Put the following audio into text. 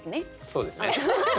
そうですね。